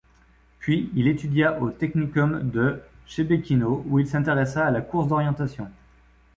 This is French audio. Puis, il étudia au technicum de Chebekino où il s'intéressa à la course d'orientation.